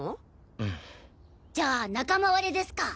うん。じゃあ仲間割れですか？